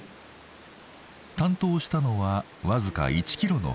担当したのは僅か１キロの区間。